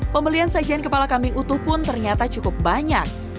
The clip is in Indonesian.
pembelian sajian kepala kambing utuh pun ternyata cukup banyak